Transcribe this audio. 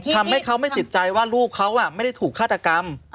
ทำให้เขาไม่ติดใจว่าลูกเขาไม่ได้ถูกฆาตกรรม